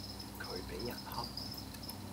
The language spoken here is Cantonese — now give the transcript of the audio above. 佢畀人恰